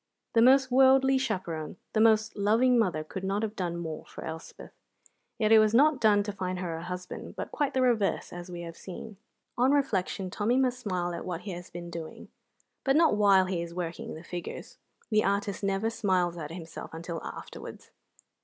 The most worldly chaperon, the most loving mother, could not have done more for Elspeth. Yet it was not done to find her a husband, but quite the reverse, as we have seen. On reflection Tommy must smile at what he has been doing, but not while he is working the figures. The artist never smiles at himself until afterwards.